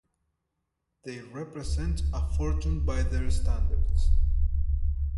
They represent a fortune by their standards.